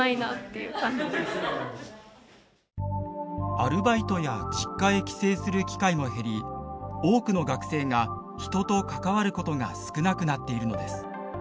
アルバイトや実家へ帰省する機会も減り多くの学生が人と関わることが少なくなっているのです。